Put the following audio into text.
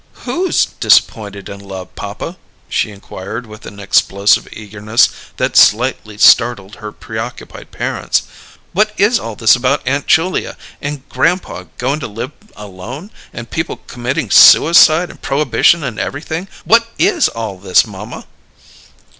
"Who's disappointed in love, papa?" she inquired with an explosive eagerness that slightly startled her preoccupied parents. "What is all this about Aunt Julia, and grandpa goin' to live alone, and people committing suicide and prohibition and everything? What is all this, mamma?"